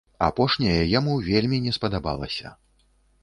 Апошняе яму вельмі не спадабалася.